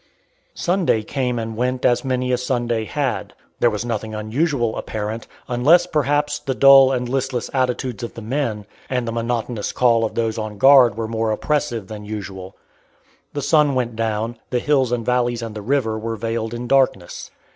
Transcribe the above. Sunday came and went as many a Sunday had. There was nothing unusual apparent, unless, perhaps, the dull and listless attitudes of the men, and the monotonous call of those on guard were more oppressive than usual. The sun went down, the hills and valleys and the river were veiled in darkness.